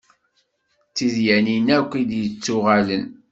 D tidyanin akk i d-yettuɣalen.